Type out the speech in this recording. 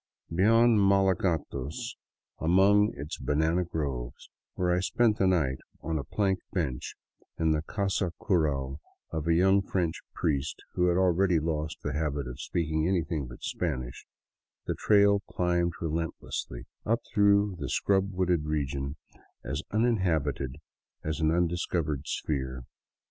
Beyond Malaca tos, among its banana groves, where I spent the night on a plank bench in the casa cural of a young French priest who had already lost the habit of speaking anything but Spanish, the trail climbed relent lessly up through a scrub wooded region as uninhabited as an un discovered sphere.